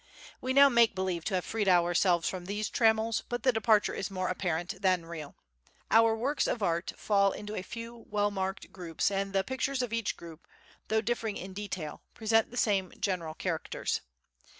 We now make believe to have freed ourselves from these trammels, but the departure is more apparent than real. Our works of art fall into a few well marked groups and the pictures of each group, though differing in detail, present the same general characters.